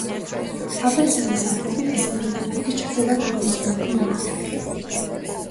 აპენცელის ალპები დასავლეთი ალპების ჩრდილოეთ-აღმოსავლეთი მონაკვეთია.